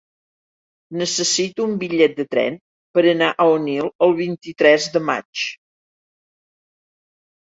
Necessito un bitllet de tren per anar a Onil el vint-i-tres de maig.